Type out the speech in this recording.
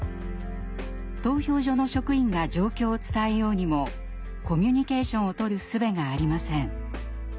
投票所の職員が状況を伝えようにもコミュニケーションをとるすべがありません。